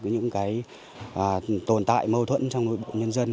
những cái tồn tại mâu thuẫn trong nội bộ nhân dân